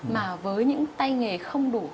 mà với những tay nghề không đủ